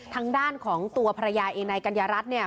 ทางด้านของตัวภรรยาเองนายกัญญารัฐเนี่ย